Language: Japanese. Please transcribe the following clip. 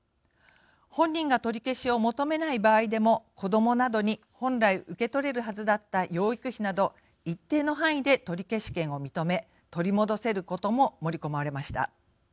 本人が取り消しを求めない場合でも子どもなどに本来、受け取れるはずだった養育費など、一定の範囲で取消権を認め、取り戻せることも盛り込まれました。